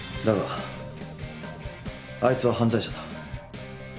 だがあいつは犯罪者だ。